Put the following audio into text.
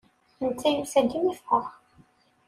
Netta yusa-d mi ffɣeɣ.